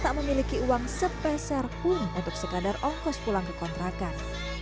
tak memiliki uang sepeserpun untuk sekadar ongkos pulang ke kontrakan